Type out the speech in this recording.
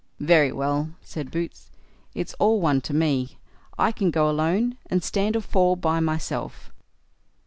"Very well", said Boots, "it's all one to me. I can go alone, and stand or fall by myself."